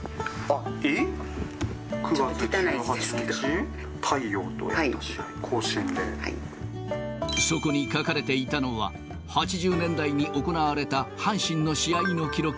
えっ？９月１８日、そこに書かれていたのは、８０年代に行われた、阪神の試合の記録。